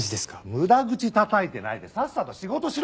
無駄口たたいてないでさっさと仕事しろ！